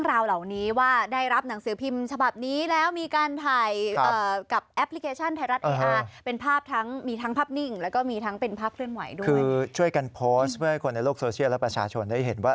คือช่วยกันโพสต์เพื่อให้คนในโลกโซเชียลและประชาชนได้เห็นว่า